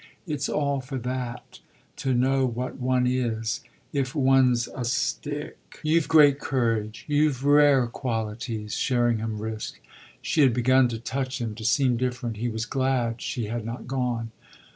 It's all for that to know what one is, if one's a stick!" "You've great courage, you've rare qualities," Sherringham risked. She had begun to touch him, to seem different: he was glad she had not gone.